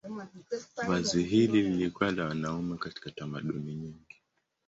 Vazi hili lilikuwa la wanaume katika tamaduni nyingi.